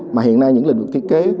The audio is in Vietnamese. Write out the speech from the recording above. mà hiện nay những lĩnh vực thiết kế